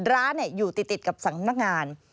ร้านอยู่ติดกับสำนักงาน